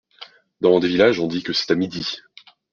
Dans des villages on dit que c'est à midi.